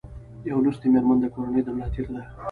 یو لوستي مېرمن د کورنۍ د ملا تېر ده